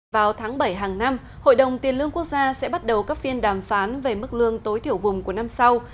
vào tháng bảy hàng năm hội đồng tiền lương quốc gia sẽ bắt đầu các phiên đàm phán về mức lương tối thiểu vùng của năm sau